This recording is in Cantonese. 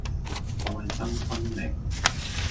愛憎分明